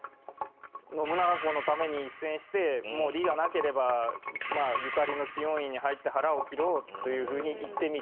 信長公のために一戦して利がなければゆかりの知恩院に入って腹を切ろうというふうに言ってみると。